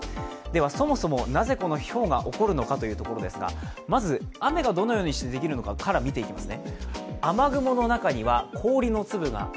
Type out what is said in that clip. そもそもなぜ、このひょうが起こるのかというところですが、まず雨がどのようにしてできるのかから見ていきます。